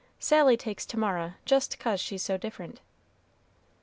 Sally takes to Mara just 'cause she's so different."